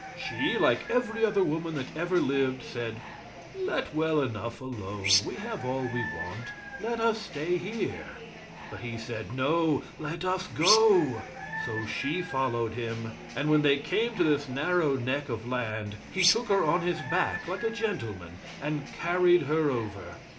She, like every other woman that ever lived, said: "Let well enough alone we have all we want; let us stay here." But he said: "No, let us go;" so she followed him, and when they came to this narrow neck of land, he took her on his back like a gentleman, and carried her over.